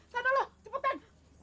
sana lu cepetan